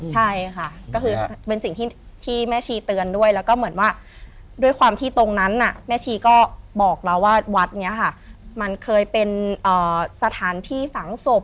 ใช่ค่ะก็คือเป็นสิ่งที่แม่ชีเตือนด้วยแล้วก็เหมือนว่าด้วยความที่ตรงนั้นแม่ชีก็บอกเราว่าวัดนี้ค่ะมันเคยเป็นสถานที่ฝังศพ